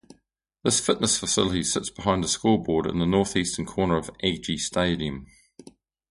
This fitness facility sits behind the scoreboard in the Northeastern Corner of Aggie Stadium.